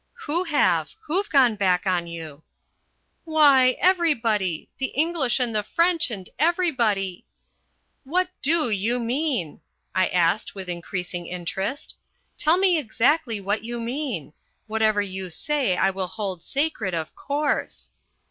"Who have? Who've gone back on you?" "Why, everybody. The English and the French and everybody " "What do you mean?" I asked with increasing interest. "Tell me exactly what you mean. Whatever you say I will hold sacred, of course."